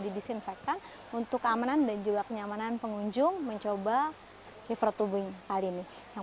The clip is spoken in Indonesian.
didisinfektan untuk keamanan dan juga kenyamanan pengunjung mencoba river tubing kali ini yang